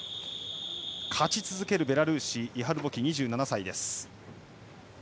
勝ち続けるベラルーシのイハル・ボキ、２７歳。